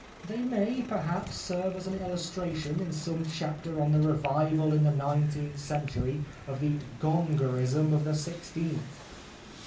They may, perhaps, serve 185 The Life of Oscar Wilde as an illustration in some chapter on the revival in the nineteenth century of the Gongorism of the sixteenth."